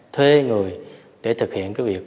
thuê người để thực hiện cái việc